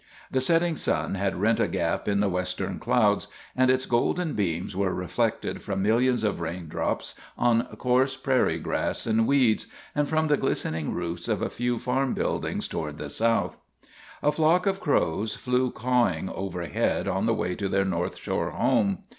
The setting sun had rent a gap in the western clouds, and its golden beams were reflected from millions of raindrops on coarse prairie grass and weeds, and from the glisten ing roofs of a few farm buildings toward the south. A flock of crows flew cawing overhead on the way to their North Shore home.